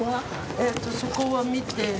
えっとそこは見て。